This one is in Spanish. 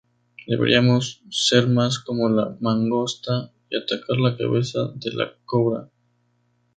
Deberíamos ser más como la mangosta y atacar la cabeza de la cobra"".